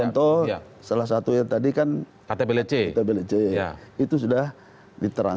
contoh salah satu yang tadi kan ktblc itu sudah diterangkan